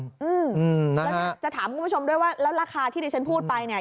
แล้วจะถามคุณผู้ชมด้วยว่าแล้วราคาที่ดิฉันพูดไปเนี่ย